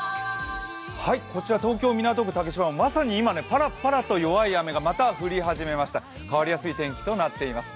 こちら東京・港区竹芝はまさに今、弱い雨がまた降り始めました、変わりやすい天気となっています。